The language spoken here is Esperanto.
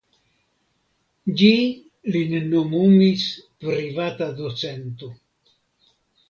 Ĝi lin nomumis privata docento.